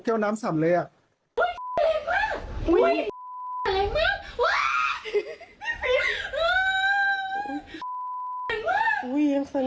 ก็สมมุติไหม